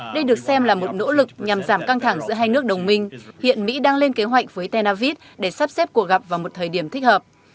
đây được xem là một nỗ lực nhằm giảm căng thẳng giữa hai nước đồng minh hiện mỹ đang lên kế hoạch với tel aviv để sắp xếp cuộc gặp vào một thời điểm thích hợp